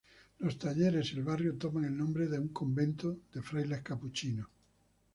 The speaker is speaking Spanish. Los talleres y el barrio toman el nombre de un convento de frailes capuchinos.